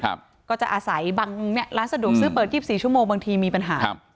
เราจะอาศัยบังร้านสะดวกซื้อเปิด๒๔ชั่วโมงบางทีมีปัญหา